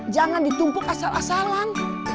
jangan ditumpuk asal asalan